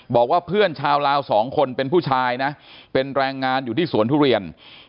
บอกว่าเพื่อนชาวลาวสองคนเป็นผู้ชายนะเป็นแรงงานอยู่ที่สวนทุเรียน